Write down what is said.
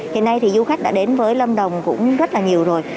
hiện nay du khách đã đến với lâm đồng cũng rất nhiều rồi